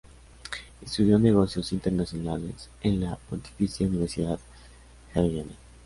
Estudio negocios internacionales en la Pontificia Universidad Javeriana.